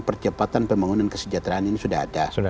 percepatan pembangunan kesejahteraan ini sudah ada